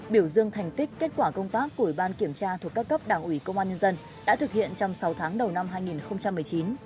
biểu dương thành tích kết quả công tác của ủy ban kiểm tra thuộc các cấp đảng ủy công an nhân dân đã thực hiện trong sáu tháng đầu năm hai nghìn một mươi chín